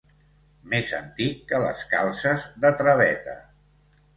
Més antic que les calces de traveta.